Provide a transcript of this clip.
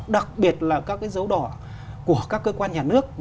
đặc biệt là các cái dấu đỏ của các cơ quan nhà nước